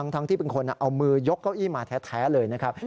ที่เป็นคนเอามือยกเก้าอี้มาแท้เลยนะครับ